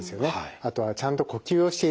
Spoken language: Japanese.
あとはちゃんと呼吸をしているか。